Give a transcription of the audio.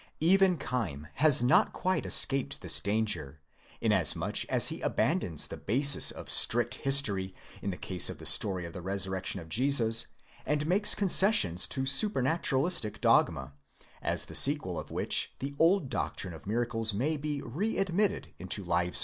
Even Keim has not quite escaped this danger, inasmuch as he abandons the basis of strict history in the case of the story of the resur rection of Jesus, and makes concessions to super naturalistic dogma; as the sequel of which the old doctrine of miracles may be readmitted into Lives.